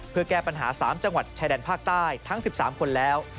เพื่อแก้ปัญหา๓จังหวัดชายแดนภาคใต้ทั้ง๑๓คนแล้ว